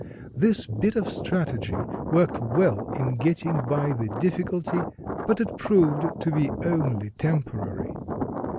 This bit of strategy worked well in getting by the difficulty, but it proved to be only temporary.